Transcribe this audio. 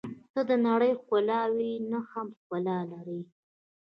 • ته د نړۍ ښکلاوې نه هم ښکلا لرې.